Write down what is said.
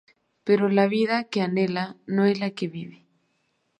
Pero la vida que anhela no es la que vive.